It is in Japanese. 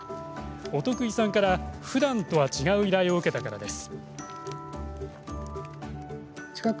お得意さんから、ふだんとは違う依頼を受けたからです。